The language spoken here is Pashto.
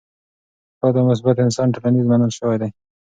ښاد او مثبت انسان ټولنیز منل شوی دی.